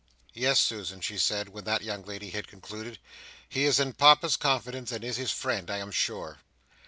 "Yes, Susan," she said, when that young lady had concluded. "He is in Papa's confidence, and is his friend, I am sure."